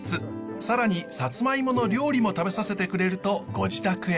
更にサツマイモの料理も食べさせてくれるとご自宅へ。